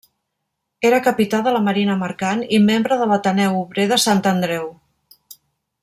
Era capità de la marina mercant i membre de l'Ateneu Obrer de Sant Andreu.